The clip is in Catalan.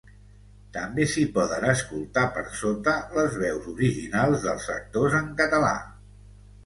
També s'hi poden escoltar, per sota, les veus originals dels actors en català.